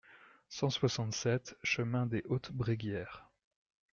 cent soixante-sept chemin des Hautes Bréguières